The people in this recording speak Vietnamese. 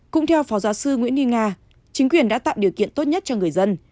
cũng theo phó giáo sư nguyễn ni nga chính quyền đã tạo điều kiện tốt nhất cho người dân